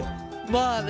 まあね。